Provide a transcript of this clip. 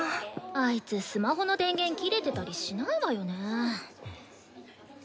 あいつスマホの電源切れてたりしないわよね。